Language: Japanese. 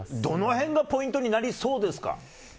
どの辺がポイントになりそうですか？